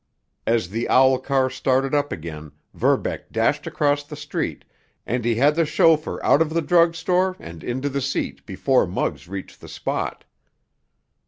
As the owl car started up again, Verbeck dashed across the street, and he had the chauffeur out of the drug store and into the seat before Muggs reached the spot.